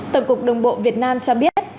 tổng cục đồng bộ việt nam cho biết